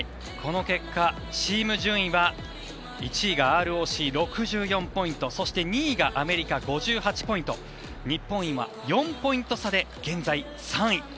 この結果、チームは１位がＲＯＣ、６４ポイントそして２位がアメリカ５８ポイント日本は今４ポイント差で現在３位。